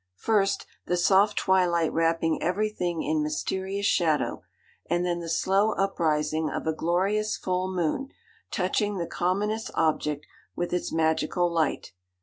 First, the soft twilight wrapping everything in mysterious shadow, and then the slow uprising of a glorious full moon, touching the commonest object with its magical light.